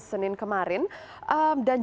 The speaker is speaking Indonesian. senin kemarin dan